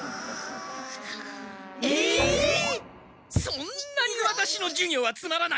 そんなにワタシの授業はつまらないか！